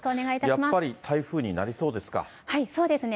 やっぱり台風になりそうですか？